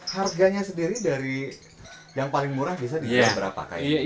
harganya sendiri dari yang paling murah bisa dijual berapa kain